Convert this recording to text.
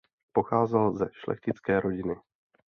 Pocházel ze šlechtické rodiny.